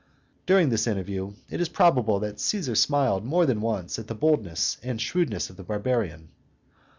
During this interview it is probable that Caesar smiled more than once at the boldness and shrewdness of the barbarian.